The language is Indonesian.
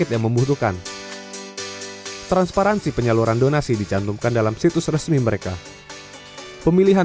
yang membutuhkan transparansi penyaluran donasi dicantumkan dalam situs resmi mereka pemilihan